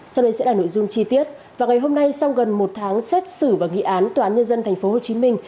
sau đây sẽ là nội dung chi tiết vào ngày hôm nay sau gần một tháng xét xử và nghị án tòa án nhân dân thành phố hồ chí minh